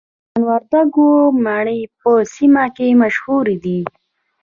د میدان وردګو مڼې په سیمه کې مشهورې دي.